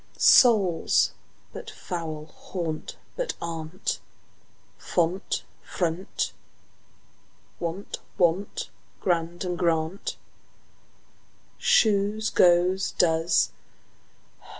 Soul, but foul and gaunt, but aunt; Font, front, wont; want, grand, and, grant, Shoes, goes, does.